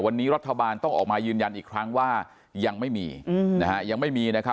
วันนี้รัฐบาลต้องออกมายืนยันอีกครั้งว่ายังไม่มีนะฮะ